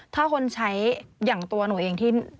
ถ้าคนใช้อย่างตัวหนูเองที่